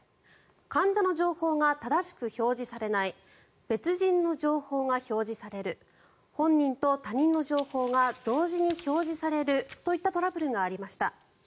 患者の情報が正しく表示されない別人の情報が表示される本人と他人の情報が同時に表示されるといったトラブルがありました。